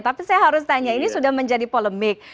tapi saya harus tanya ini sudah menjadi polemik